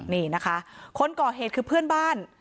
นี่นะคะคนก่อเหตุคือเพื่อนบ้าน